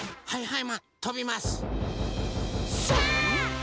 はい！